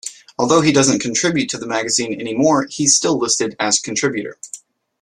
Although he doesn't contribute to the magazine anymore, he's still listed as contributor.